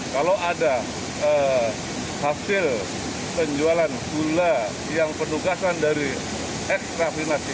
kalau ada hasil penjualan gula yang penugasan dari ekstravinasi